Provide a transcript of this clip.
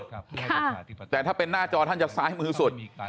ครับแต่ถ้าเป็นหน้าจอท่านยังถึงซ้ายมือสุด